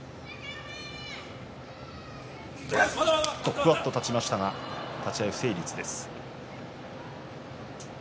ふわっと立ちましたが立ち合い不成立です。